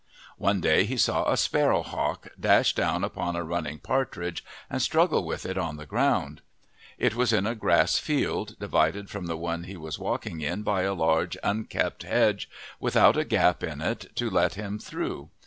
One day he saw a sparrowhawk dash down upon a running partridge and struggle with it on the ground. It was in a grass field, divided from the one he was walking in by a large, unkept hedge without a gap in it to let him through.